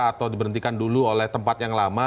atau diberhentikan dulu oleh tempat yang lama